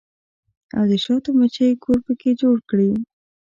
او د شاتو مچۍ کور پکښې جوړ کړي